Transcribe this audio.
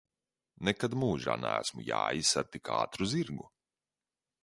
Nekad mūžā neesmu jājis ar tik ātru zirgu!